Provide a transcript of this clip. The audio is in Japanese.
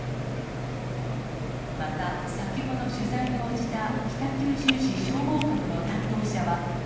また、先ほど取材に応じた北九州市消防局の担当者は。